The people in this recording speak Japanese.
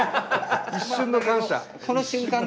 一瞬の感謝。